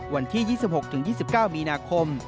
วันที่๒๖๒๙มีนาคม